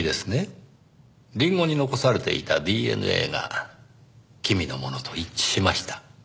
りんごに残されていたＤＮＡが君のものと一致しました。